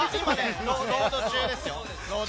ロード中ですよ。